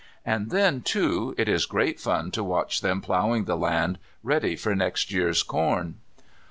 And then, too, it is great fun to watch them ploughing the land ready for next year's corn.